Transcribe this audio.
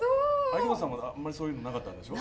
秋元さんもあんまりそういうのなかったんでしょ？